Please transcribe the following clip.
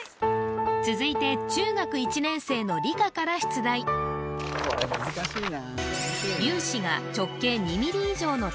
続いて中学１年生の理科から出題お答えください